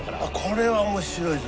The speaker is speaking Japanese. これは面白いぞ。